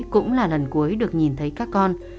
cũng là lần cuối được nhìn thấy các con